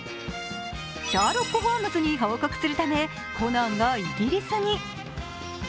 シャーロック・ホームズに報告するためコナンがイギリスに。